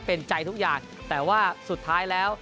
เป็นใจทุกอย่างแต่ว่าสุดท้ายแล้ว